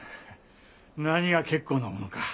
何が結構なものか。